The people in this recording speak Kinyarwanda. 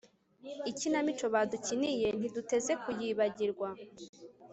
ikinamico badukiniye ntiduteze kuyibagirwa